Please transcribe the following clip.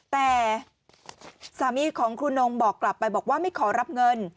แต่สามีของครูนงบอกกลับไปบอกว่าไม่ขอรับเงิน